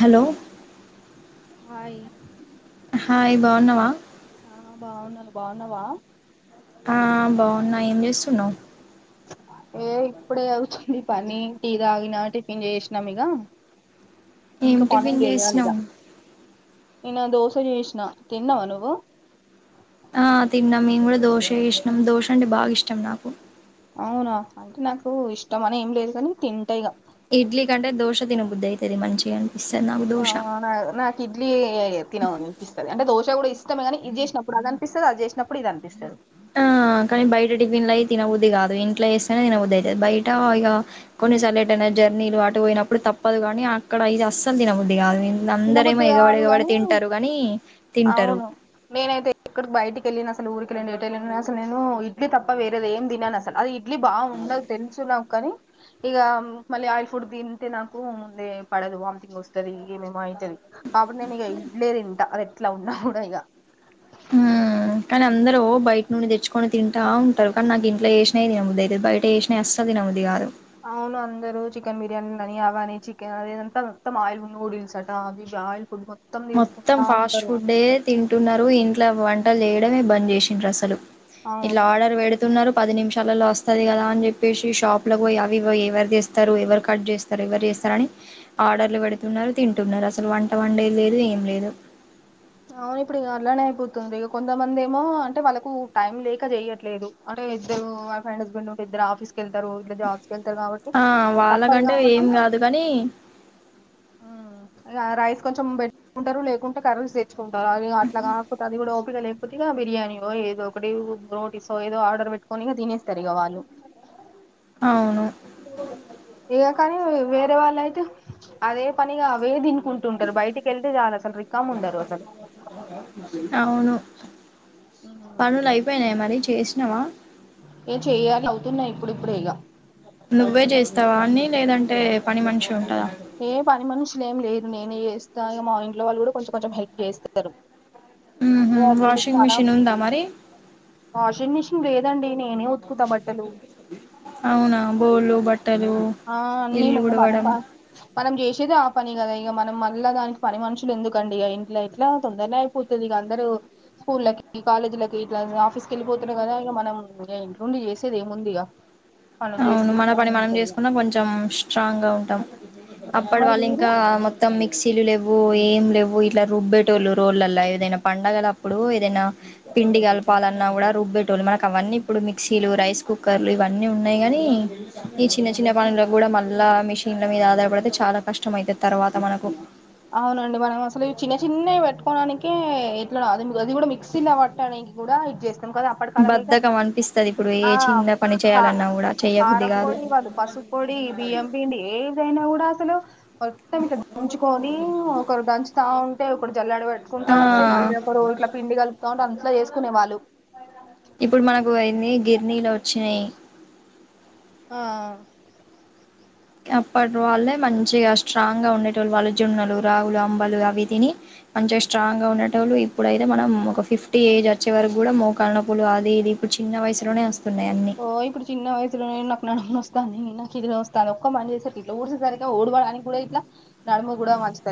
Hello hi. Hi బాగున్నావా. ఆహ్ బాగున్నారు బాగున్నావా. ఆహ్ బాగున్నా. ఏం చేస్తున్నావ్. ఏ ఇప్పుడే అవుతుంది పని టీ తాగిన టిఫిన్ చేసినామీక ఏమిటిఫిన్ చేసినావు. నేన్న దోశ చేసిన తిన్నవ నువ్వు. ఆహ్ తిన్నాం మేము కూడా దోశ చేసినం దోశ అంటే బాగా ఇష్టం నాకు. అవునా అంటే నాకు ఇష్టం అని ఏం లేదు కానీ తింటా ఇగా. ఇడ్లీ కంటే దోశ తినబుద్ది అయితది మంచిగా అంటే. ఆహ్ నాకు ఇడ్లీ తినలనిపిస్తంది అంటే దోశ కూడా ఇ ఇష్టమే కానీ ఇది చేసినప్పుడు అది అనిపిస్తది. అది చేసినప్పుడు ఇది అనిపిస్తది. ఆహ్ కానీ బయట టిఫిన్లయి తినబుద్ది కాదు ఇం ప్లేస్. ఇంట్లానే తినబుద్ది అయితది బయట ఇంకా. కొన్నిసార్ లేట్ అయినా జర్నీలు అటు పోయినప్పుడు తప్పదు. కానీ అక్కడ ఇది అస్సలు తిన బుద్ది కాదు. అందరేమో తినబుద్ధి ఎగబడి కాదు ఎగబడి కాని తింటారు కానీ తింటారు అవును నేనైతే ఎక్కడికి బయటికి వెళ్ళిన సరే. అసలు ఊరికిండి ఎటై అసలు నేను ఇడ్లీ తప్ప వేరేది ఏం తినను అసలు అది ఇడ్లీ బా ఉండదు తెలుసు నాకు కానీ ఇక మళ్ళీ ఆయిల్ ఫుడ్ తింటే నాకు ముందే పడదు వామ్థింగ్ వస్తుంది ఇగ అయితది కాబటి నేను ఇక ఇడ్లే తింటా అది ఎట్లా ఉన్నా కూడా ఇగ హ్మ్మ్ కాని అందరు బయట నుండి తెచ్చుకొని తింటా ఉంటారు కానీ నాకు ఇంట్లో చేసినయి తినబుద్ది అయితది బయట చేసినయి అస్సలు తినబుద్ది కాదు. అవును అందరు చికెన్ బిర్యానీ అని అవని చికెన్ అదదంతా మొత్తం ఆయిల్ నూడిల్స్ అట అవి ఆయిల్ ఫుడ్ మొత్తం తీసుకుంటా ఫాస్ట్ ఉంటారు ఫుడ్డే తింటున్నారు ఇన్ ఇట్లా వంటలు చేయడమే బంద్ చేసిండ్రసలు అవును ఇట్లా ఆర్డర్ పెడుతున్నారు పది నిమిషాలలో వస్తది కదా అని చెప్పేసి షాప్ లో పోయి అవి ఎవరు తీస్తారు ఎవరు కట్ చేస్తారు ఎవరు చేస్తారు అని ఆర్డర్లు పెడుతున్నారు తింటున్నారు అసలు వంట వండే లేదు ఏం లేదు అవును ఇప్పుడు ఇక అలానే అయిపోతుంది ఇక కొంతమంది ఏమో అంటే వాళ్ళకు టైం లేక చెయట్లేదు అంటే ఇద్దరు వైఫ్ అండ్ హస్బెండ్ ఉంటే ఇద్దరు ఆఫీస్కి వెళ్తారు ఇట్ల జాబ్స్ కి వెళ్తారు కాబట్టి ఆ అది తప్పదు వాళ్ళకంటే కాబట్టి ఏం కాదు కానీ ర రైస్ కొంచెం పెట్టుకుంటారు లేకుంటే కర్రీస్ కుంటారు అది అట్లా కాకపోతే అది కూడా లేకపోతే ఇక బిర్యానీయో ఏదో ఒకటి రోటీసో ఏదో ఆర్డర్ పెట్టుకొని ఇక తినేస్తారు ఇగ వాళ్ళు అవును ఏ కానీ వేరే వాళ్ళ అయితే అదే పనిగా అవే ది కుంటుంటారు బయటికి వెళ్తే చాలు అసలు రికామ్ ఉండరు అసలు స పనులు ఐపోయనయ మరి చేస్ నవా ఏ చెయ్యాలి అవుతున్నాయి ఇప్పుడిప్పుడే ఇగ నువ్వే చేస్తావా అన్ని లేదంటే పని మనిషి ఉంటదా ఏ పని మనుషులే ఏం లేదు నేనే చేస్ స్త ఇగ మా ఇంట్లో వాళ్ళ కూడా కొంచం కొంచెం హెల్ప్ చేస్తరు ఉహు ఏ అది వాషింగ్ మిషిన్ ఉందా మరి [unintelligible] అవునా బోల్లు ఆ అన్నీమయ మేడం ఆ మనం చేసేది ఆఫ్ట్ పని కదా ఇక మనం మళ్ళా దానికి పని మనుషులు ఎందుకండి ఇంట్లో ఎట్లా తొందరనే అయిపోతది ఇగ అందరు స్కూళ్ళకి కాలేజ్లకి ఇట్లా ఆఫీస్ కి వెళ్ళిపోతరు కదా ఇక మనం ఇంట్ల ఉండి చేసేది ఏముంది ఇగ. పనులు అవును మన చేసుకుంటా పని మనం ఉంటరు ఇగ చేసుకున్నా కొంచెం ఆ స్ట్రాంగ్ ఉంటాం అప్పుడు మరి వాళ్ళు మీరు ఇంకా మొత్తం మిక్సిలు లేవు ఏం లేవు ఇట్లా రుబ్బేటోళ్ళు రోళ్లల ఏదైనా పండగల అప్పుడు ఏదన్న పిండి కలపాలన్నా కూడా రుబ్బెట్ టోళ్లూ మనకు అవన్నీ ఇప్పుడు మిక్సీలు రైస్ కుక్కర్లు ఇవన్నీ ఉన్ కానీ ఈ చిన్న చిన్న పనులకు కూడా మనం మళ్ళ మిషిన్ల మీద ఆధారపడితే చాలా కష్టం అయితది తర్వాత మనకు అవునండి మనం అసలు ఈ చిన్న చిన్నవి పెట్టుకోడానికే ఎట్లా రాదని అది కూడా మిక్సీల పట్టాలి కూడా ఇచ్చేస్తా కదా అప్పటి కాలంలో అయితే బద్ధకం అనిపిస్తది ఇప్పుడు ఏ ఆ చిన్న పని కా చేయాలన్నా కూడా చెయ్యబుద్ధి కాదు కారంపొడి వాళ్ళు పసుపు పొడి బియ్యం పిండి ఏదైనా కూడా హలో మొత్తం ఇట్ల ముంచ్ [inaudible] కొనీ ఒకరు దంచుతారు ఆ ఉంటే ఒకడు జల్లెడ పెట్టుకుంటా ఆ ఉంటే మళ్లీ ఒకరు ఇంట్లో పిండి కలుపుతా ఉండాలి [inaudible] అట్లా చేసుకునే వాళ్ళు ఇప్పుడు మనకు అయింది గిర్ నీళ్లు వచ్చినయి ఆ అప్పటి వాల్లే మంచిగా స్ట్రాంగ్ గా ఉండేటోళ్లు వాళ్లు జొన్నలు, రాగులు, అంబలు అవి తిని మంచిగా స్ట్రాంగ్ గా ఉండేటోళ్లు ఇప్పుడైతే మనం ఒక ఫిఫ్టీ ఏజ్ వచ్చే వరకు కూడా మోకాల నొప్పులు అది ఇది ఇప్పుడు చిన్న వయసులోనే వస్తున్ ఓ ఇప్పుడు చిన్న వయసులోనే నాకు నడుము నోస్తు నొస్తాందీ నాకు ఇది నొస్తాందీ ఒక్క పని చేసే సరికి ఇట్ల ఊడ్చేసరికి ఊడవడానికి కూడా ఇట్ల నడుము గూడ వచ్చి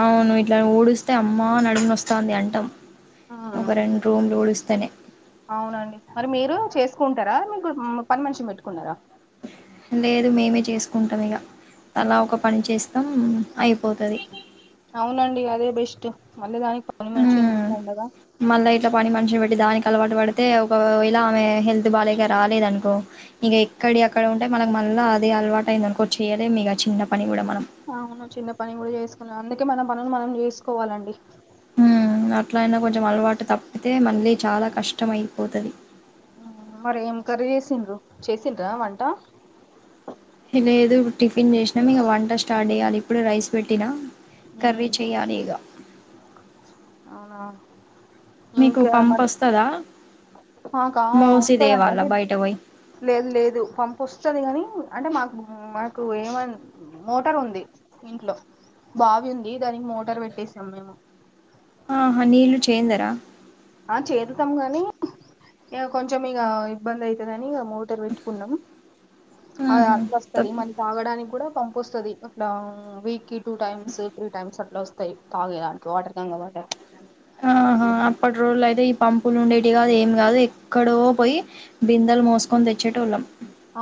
అవును ఇట్ల ఊడిస్తే ఆ అమ్మా నడము నొస్ నొస్తాంది అంటాం. ఆ ఒక రెండు రూములు ఊడిస్తే ఇతనే అవునండి మరి మీరు చేసుకుంటారా? ముగ్గురు హుమ్ పనిమనిషినీ పెట్టుకున్నారా లేదు మేమే చేసుకుంటాం ఇగ తల ఒక పని చేస్తాం అయిపోతది అవునండి అదే బెస్ట్ మళ్లీ దానిక్ పని మనిషి ఎందుకు దండగా మళ్ళా ఇట్లా పని మనిషి పెట్టి దానికి అలవాటు పడితే ఒకవేళ ఆమె హెల్త్ బాలేక రాలేదు అనుకో, ఇక ఎక్కడివి అక్కడ ఉంటే మనకు మళ్ళా అదే అలవాటు అయ్యింది అనుకో చేయలేము ఇక చిన్న పని కూడా మనమ్ అవును చిన్న పని కూడా చేసుకోలేం అందుక్ ఫస్ట్ మన పనులు మనం చేసుకోవాలండి హుమ్ అట్లా అయినా కొంచెం అలవాటు తప్పితే మళ్ళీ చాలా కష్టం అయిపోతది. మరి ఏం కర్రీ చేసిండ్రు చేసిండ్రా వంట చేయలేదు ఇప్పుడు టిఫిన్ చేసినమ్ ఇక వంట స్టార్ట్ చేయాలి ఇప్పుడే రైస్ పెట్టిన కర్రీ ఉమ్, చేయాలి ఇగ అవునా మీకు ఇంకా పంప్ మరి అస్తదా మాకా వస్తదండి అంటే బయట పోయి లేదు లేదు పంపోస్తది కానీ అంటే మాకు మాకు ఏమన్ మోటార్ ఉంది ఇంట్లో బావి ఉంది దానికి మోటార్ పెట్టేసాం మేము ఆహా నీళ్ళు చేయ్యందరా ఆ చేదుతాం గానీ ఇగ కొంచెం ఇగ ఇబ్బంది అయితది అని ఇగ మోటర్ పెట్టుకున్నాం ఆ ఆహా అట్ల వస్తది మన తాగడానికి కూడా పంపోస్తది అక్కడ వీక్కిి టూ టైమ్స్ త్రీ టైమ్స్ అట్లా వస్తాయి తాగెదానికి వాటర్ ట్యాంక్ వాటర్ ఆహా అప్పటి రోళ్ళు అయితే ఈ పంపులు ఉండేటివి కాదు ఏమి కాదు ఎక్కడో పోయి బిందెలు మోసుకొని తెచ్చేటోళ్ళం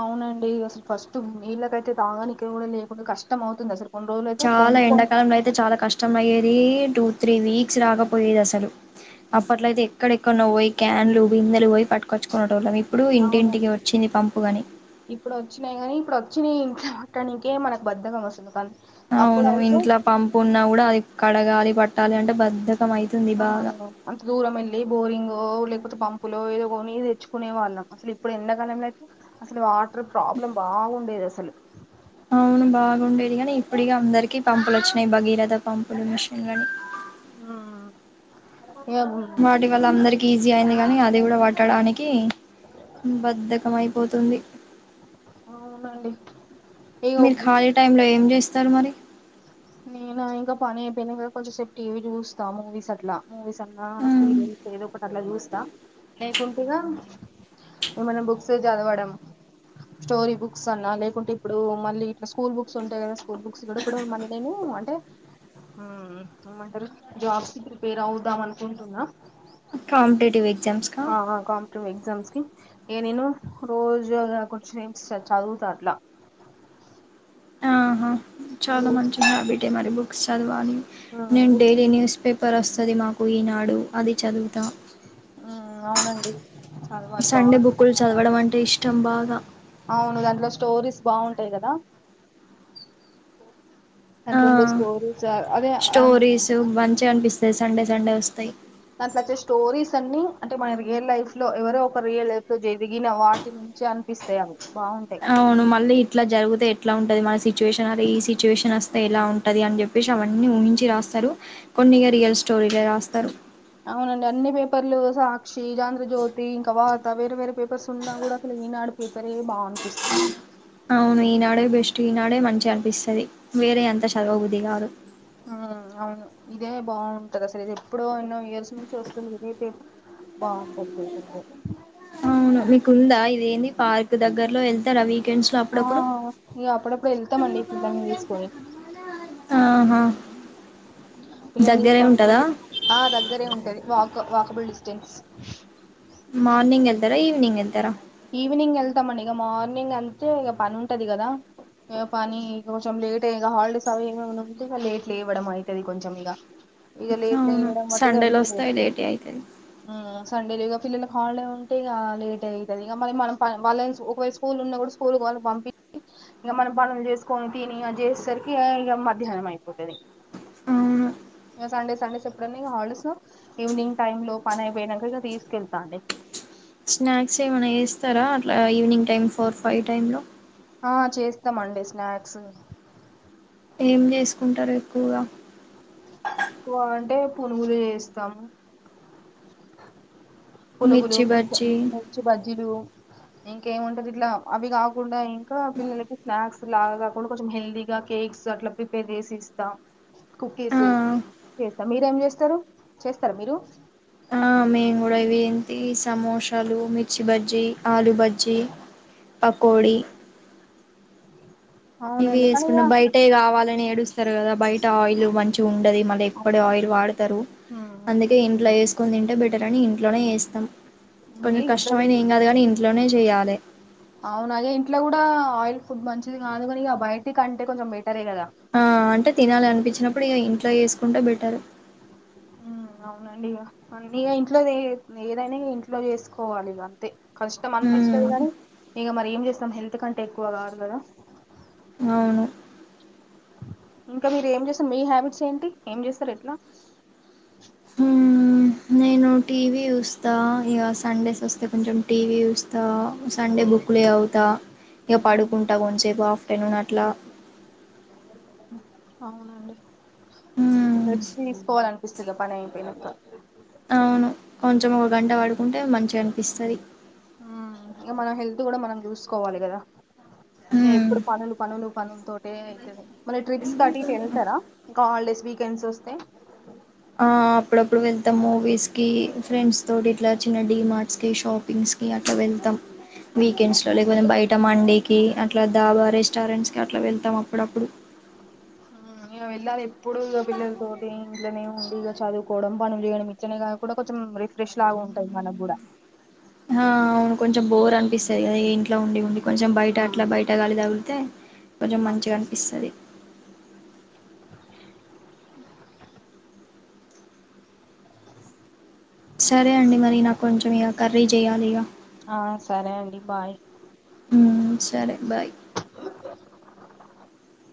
అవునండి అసలు ఫస్ట్ నీళ్ళకైతే తాగానీకి కూడా లేకుండా కష్టం అవుతుంది అసలు కొన్ని రోజులు అయితే చాలా కొనుక్కొని ఎండాకాలంలో అయితే చాలా కష్టం అయ్యేది టూ త్రీ వీక్స్ రాకపోయేది అసలు అప్పట్లో అయితే ఎక్కడెక్కడన్నా పోయి క్యాన్లు బిందెలు పోయి పట్టుొచ్చుకోవడం వల్ల అవును ఇప్పుడు వచ్చినాయి కాని ఇప్పుడు వచ్చినాయి ఇంకా ట్టనికే మనకు బద్దకం వస్తుంది కానీ అవును అప్పుడైతే ఇంట్లో పంపు ఉన్నా కూడా అది కడగాలి పట్టాలి అంటే బద్ద ఆ అంత దూరం వెళ్ళి బోరింగో లేకపోతే పం పంపు లో ఏదో కొనిది తెచ్చుకునే వాళ్ళం అసలు ఇప్పుడు ఎండడాకాలంలో అయితే అసలు వా ఇ ప్రాబ్లమ్ బాగుండేది హలో అవును బాగుండేది కానీ ఇప్పుడిగా అందరికిీ పంపులు వచ్చినాయి భగీరథ పంపులు మిషన్లని ఓ వాటి వల్ల అందరికి ఈజీ అయింది కానీ అది కూడా పట్టడానికి బద్ధకం అయిపోతుంది అవునండి ఇగ మీరు ఖాళీ టైమ్ లో ఏం చేస్త స్థారు మరి నేను ఇంకా పని అయిపోయినా కద కొంచెం సేపు టీవీ చూస్తా మూవీస్ అట్లా మూవీస్ అన్నా సీరియల్స్ ఏదో ఒకటి అట్లా చూస్తా లేకుంటే ఇగ ఏమన్నా బుక్స్ చదవడం స్టోరీ బుక్స్ అన్నా లేకుంటే ఇప్పుడు మళ్ళీ ఇట్లా స్కూల్ బుక్స్ ఉంటాయి కదా స్కూల్ బుక్స్ కూడా ఇప్పుడు మళ్ళీ నేను అంటే ఏమంటారు జాబ్స్ కి ప్రిపేర్ అవుదాం అనుకుంటున్నా కాంపిటేటివ్యి ఆ కాంపిటివ్ ఎగ్జామ్స్ కి ఏ నేను రోజు కొంచే చదువుతా అట్లా ఆహా చాలా మళ్ళీ మంచి హాబిట్ మరి బుక్స్ చదవాలి నేను ఉమ్ డైలీ ఉమ్ న్యూస్ పేపర్ వస్తా అది మాకు ఈనాడు అది చదువుతా. ఆ అవునండి చాలా మరి సండే బాగు. బుక్కులు చదవడం అంటే ఇష్టం బాగా [inaudible] అవును దాట్లో స్టోరీస్ బాగుంటాయి కదా. ఆ దాంట్లో ఉండే స్టోరీస్ అదే ఆ, స్టోరీస మంచిగన్ అనిపిస్తయి సండే సండే వస్తయ్. దాంట్లో వచ్చే స్టోరీస్ అన్నీ, అంటే మన రియల్ లైఫ్ లో ఎవరో ఒక రియల్ లైఫ్ లో జరిగిన వాటి నుంచె అనిపిస్తయ్ అవి. బాగుంటాయి అవును మళ్ళీ ఇట్లా జరుగుతే. ఎట్లా ఉంటది మన సిచ్యువేషన్ అదీ ఈ సిచ్యువేషన్ వస్తే ఎలా ఉంటది అని చెప్పేసి అవన్నీ ఊహంచి రాస్తరూ. కొన్ని ఇగ రియల్ స్టోరీలే రాస్తరు. అవునండి అన్నీ పేపర్లూ సాక్షీ, ఆంద్రజ్యోతీ ఇంకా వార్తా వేరే వేరే పేపర్సున్నా కూడా అసల్ ఈనాడు. పేపరే బాగుం అవును ఈనాడే బెస్ట్. ఈనాడే మంచిగనిపిస్తది. వేరే అంత చదువబుద్ధి గాదు. ఆ అవును ఇదే బాగుంటది అసలు ఇది ఎప్పుడో ఎన్నో ఇయర్స్ నుంచి వస్తుంది ఇదే పేపర్. బాగుంటది పేపర్ ఇదే. అవును. మీకుందా ఇదేంది పార్క్ దగ్గర్ లో ఎల్తరా వీక్ ఆ ఇగా అప్పుడప్పుడు ఎళ్తమండి పిల్లల్ని తీసుకొని. ఆహా పిల్లల్నీ దగ్గరే ఉంటదా తీసు [inaudible] ఆ దగ్గరే ఉంటది వాక వాకబుల్ డిస్ టెన్స్ మార్నింగ్ ఎళ్తరా ఈవినింగ్ ఎళ్తరా. ఈవినింగ్ ఎళ్తాంమండి ఇగ మార్నింగ్ అంటే ఇగ పని ఉంటది గదా. ఇగ పనీ ఇగ కొంచెం లేటే ఇగ హాలిడేస్ అవి ఇవి ఏమన్న ఉంటే ఇగ లేట్ లేవడం అయితది కొంచెం ఇగా. ఇగ లేేట్ అవును లేయ్యడం బట్టిగా సండేలో ఇయ్యలేం. వస్తాయి లేటే అయితది ఆ సండే లిగా ఫిల్లలకు హాలిడే ఉంటే ఇగా లేట్ అయి స్తది. ఇగ మరి మనం పన్ వాళ్ళని ఒకవేళ స్కూల్ ఉన్నా కూడ, స్కూల్ వాళ్ళని పంపిచ్చి, ఇగ మనం పనులు చేసుకోని తినీ అది చేసేసరికి ఏ ఇగ మధ్యాహ్నం అయిపోతది. అవును ఇగ సండే సండేస్ ఎప్పుడన్న ఇగ హాల్స్డేలో ఈవినింగ్ టైమ్ లో పనైపోయినంక ఇగ తీసుకెళ్తాండి. వస్తారా అట్లా evening time four five time లో. ఆ చేస్తామండి స్నాక్సు. ఏం చేసుకుంటారు ఎక్కువగా. క్కువా అంటే. పునుగులు చేస్తం. పులుగులూ, మిర్చి మిర్చ్ బజ్జీ మిర్చీ బజ్జీలూ. ఇంకాముంటది ఇట్లా, అవి కాకుండా ఇంకా పిల్లలకి స్నాక్స్ లాగా కాకుండా కొంచెం హెల్దీగా కేక్స్ అట్లా ప్రిపేర్ చేసి ఇస్తాం. కుక్కీస ఆ చేస్తా మీరేం చేస్తారు. చేస్తారా మీరు. ఆ మేము కూడా ఇవి ఏంటీ సమోశాలు, మిర్చి బజ్జీ, ఆలు బజ్జీ. పకోడీ ఉమ్, ఇవి అవునండి కానీ ఇగ వేసుకుంటమ్ బయటే కావాలని నీ ఏడుస్తారు కదా బయట ఆయిల్ మంచి ఉ అది మళ్ళీ ఎప్పుడ అవును ఆయిల్ వాడతారు అందుకే ఇంట్లో వేస్ కొదింటే బెటర్ అని ఇంట్లోనే ఏస్తాం ఉమ్ ఏ కొంచెం కష్టమైంది ఏం కాదు కానీ ఇంట్లోనే జె చేయాలే అవునగే ఇంట్లో కూడా ఆయిల్ ఫుడ్ మంచిది కాదుకని బయటికి అంటే కొంచెంట్ ఆ అంటే తినాలి అనిపించినప్పుడు ఇక ఇంట్ లో వేసుకుంటే బెటర్ అవునండి ఇక ఇంట్లో ఏదైనా ఇంట్లో చేసుకోవాలి ఇక అంతే కష్టం అనిపిస్తది ఉమ్ గాని ఇక మరి ఏం చేస్త మం హెల్త్ కంటే ఎక్కువ కాదు కదా అవును ఇంకా మీరు ఏం చేస్తారు మీ హ్యాబిట్స్ ఏంటి ఏం చేస్తారు ఎట్లా ఉమ్ నేను టీవీ చూస్తా ఇక సండేస్ వస్తే కొంచెం టీవీ చూస్ త సండే బుక్లే చవుత ఇగ ఉమ్, పడుకుం టా కొంచేబఫ్ పెను నట్ల అవునండి కొంచమ్ ఉమ్ రెస్ట్ తీసుకోవల న్ పిస్తుగా పని అయిపోయినంత అవును కొంచమ్ ఒక గంట వాడు కుంటే మంచిగా అనిపిస్తది ఉమ్ ఇక మన హెల్త్ కూడా మనం చూసుకోవాలి కదా హ్మ్ ఎప్పుడు పనులు పనులు పనుల తోటె అయితది మల్లి ట్రిప్స్ కట్ వెళ్తారా ఇంకా హాలిడేస్ వీకెండ్స్ వస్తే ఆ అప్పుడప్పుడు వెళ్తాం మూవీస్ కి ఫ్రెండ్స్ తోటి ఇట్లా చిన్న డి మార్ట్స్ కి షాపింగ్స్ కి అట్లా వెళ్తాం వీకెండ్స్ లో అవునండి లేకపోతే బయట మండే కి అట్లా ధాబా రెస్టారెంట్స్ కి అట్లా వెళ్తాం అప్పుడప్పుడు ఇక వెళ్ళాలి ఎప్పుడు ఇక పిల్లల తోటి ఇంట్లోనే ఉండి ఇక చదువుకోవడం పనులు చేయడం ఇట్నే కానీ కూడా కొంచెం రిఫ్రెష్ లాగా ఉంటాది మనకు కూడా ఆ అవును కొంచెం బోర్ అనిపిస్తది కదా ఇంట్లో ఉండి ఉండి కొంచెం బయట అట్లా బయట గాలి తగుల్ తే కొంచెం ఆ మంచిగా అనిపిస్తది సర్ ఏ అండి మరి నాక్ కొంచమ్ ఇగ కర్రీ చేయాలిగా ఆ సరే అండి బాయ్ ఉమ్ సరే బాయ్ అ